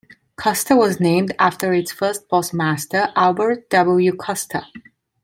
Custer was named after its first postmaster, Albert W. Custer.